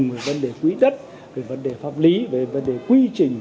về vấn đề quỹ đất về vấn đề pháp lý về vấn đề quy trình